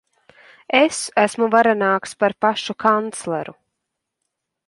Es esmu varenāks par pašu kancleru.